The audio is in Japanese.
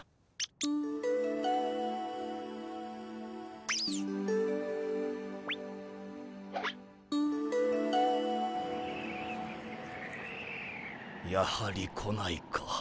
ポキュ。やはり来ないか。